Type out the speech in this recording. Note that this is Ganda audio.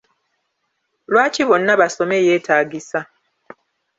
Lwaki `Bonna Basome' yetaagisa?